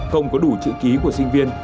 không có đủ chữ ký của sinh viên